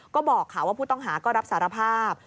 ก็บอกค่ะว่าผู้ต้องหาก็รับสารภาพ